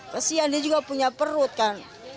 pasien dia juga punya perut kan